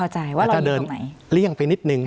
แต่ถ้าเดินเลี่ยงไปนิดนึง